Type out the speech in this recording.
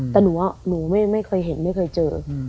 แต่หนูว่าหนูไม่เคยเห็นไม่เคยเจอ